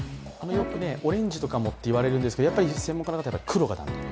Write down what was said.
オレンジとかもって言われるんですけど、専門家の方々は、黒はだめ。